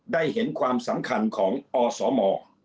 ได้เห็นความสำคัญของอสม